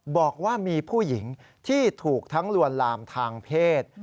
บอกว่ามีผู้หญิงที่ถูกทั้งลวนลามทางเพศ